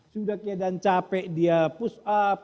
sudah keadaan capek dia push up